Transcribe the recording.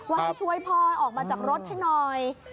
ว่าให้ช่วยพ่อให้ออกมาจากรถให้หน่อย